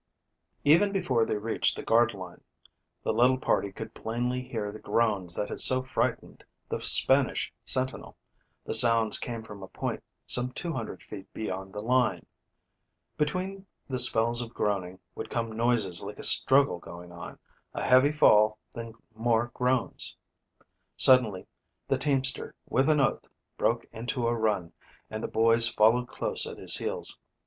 EVEN before they reached the guard line, the little party could plainly hear the groans that had so frightened the Spanish sentinel. The sounds came from a point some two hundred feet beyond the line. Between the spells of groaning would come noises like a struggle going on, a heavy fall, then more groans. Suddenly the teamster with an oath broke into a run and the boys followed close at his heels.